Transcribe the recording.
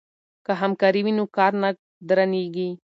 که همکاري وي نو کار نه درنیږي.